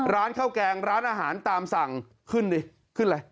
ร้านข้าวแกงร้านอาหารตามสั่งขึ้นดิขึ้นอะไร